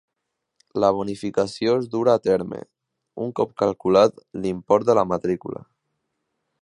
La bonificació es durà a terme, un cop calculat l'import de la matrícula.